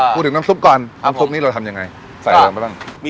พูดถึงน้ำซุ๊ปก่อนน้ำซุ๊ปให้เราก้ินไง